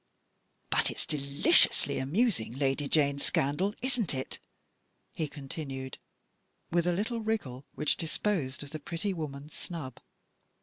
" But it's deliciously amusing, Lady Jane's scandal, isn't it ?" he continued, with a little wriggle which disposed of the pretty woman's snub.